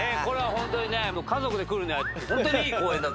ホントにね家族で来るにはホントにいい公園だと。